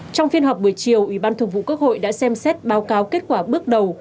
trong phiên họp buổi chiều ủy ban thường vụ quốc hội đã xem xét báo cáo kết quả bước đầu